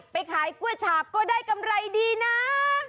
ไปขายกล้วยฉาบก็ได้กำไรดีนะ